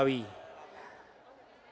kata kata yang diungkapkan oleh soal